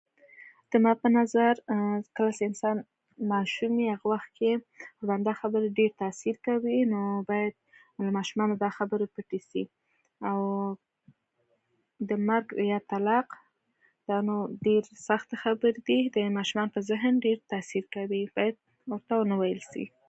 ۱. نن ورځ زه له خپل کور څخه ښار ته لاړم تر څو اړين توکي واخلم او بيا بېرته په امن ډول کور ته راستون شوم